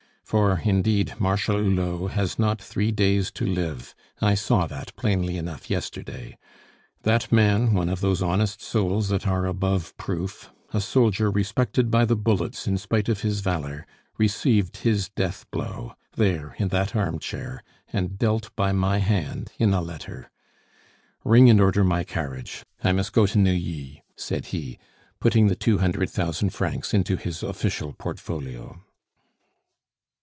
For, indeed, Marshal Hulot has not three days to live; I saw that plainly enough yesterday. That man, one of those honest souls that are above proof, a soldier respected by the bullets in spite of his valor, received his death blow there, in that armchair and dealt by my hand, in a letter! Ring and order my carriage. I must go to Neuilly," said he, putting the two hundred thousand francs into his official portfolio.